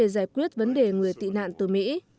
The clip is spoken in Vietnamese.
giải quyết vấn đề người tị nạn từ mỹ